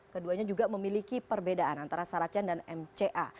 keduanya juga memiliki perbedaan antara sarah chen dan mca